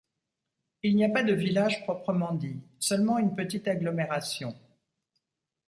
Il n’y a pas de village proprement dit, seulement une petite agglomération.